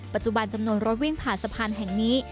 ปัจจุบันจำนวนรถวิ่งผ่านสะพานแห่งนี้